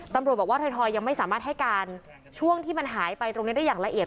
ตำรวจบอกว่าถอยยังไม่สามารถให้การช่วงที่มันหายไปตรงนี้ได้อย่างละเอียด